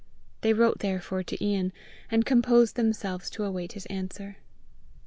They wrote therefore to Ian, and composed themselves to await his answer.